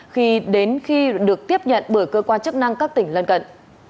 khi đến khi được tiếp nhận bởi cơ quan chức năng các tỉnh lân cận